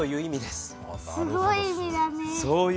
すごい意味だね。